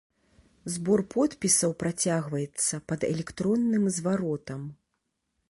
Збор подпісаў працягваецца пад электронным зваротам.